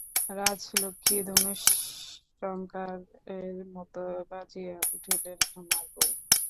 রাজলক্ষ্মী ধনুষ্টংকারের মতো বাজিয়া উঠিলেন, আমার বউ?